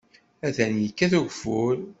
Atan yekkat ugeffur.